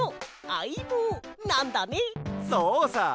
そうさ。